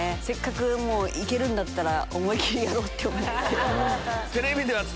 せっかく行けるんだったら思い切りやろう！って思って。